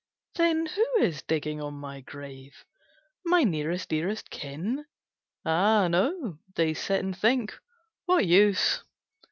'" "Then who is digging on my grave, My nearest dearest kin?" "Ah, no: they sit and think, 'What use!